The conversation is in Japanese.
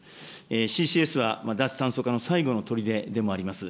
ＣＣＳは、脱炭素化の最後のとりででもあります。